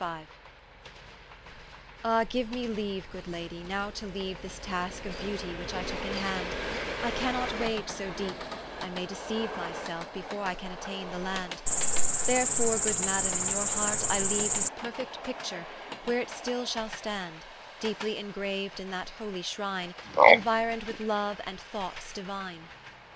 ¶ Ah! giue me leaue (good Lady) now to leaue This taske of Beauty which I tooke in hand, I cannot wade so deepe, I may deceaue My selfe, before I can attaine the land; Therefore (good Madame) in your heart I leaue His perfect picture, where it still shall stand, Deepely engraued in that holy shrine, Enuironed with Loue and Thoughts diuine.